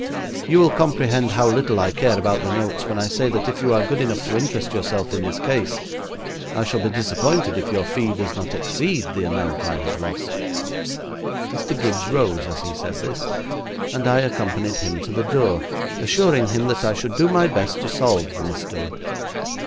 You will comprehend how little I care about the notes when I say that if you are good enough to interest yourself in this case, I shall be disappointed if your fee does not exceed the amount I have lost.' Mr. Gibbes rose as he said this, and I accompanied him to the door assuring him that I should do my best to solve the mystery.